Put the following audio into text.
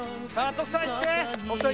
徳さんいって！